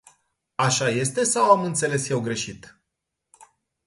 Așa este sau am înțeles eu greșit?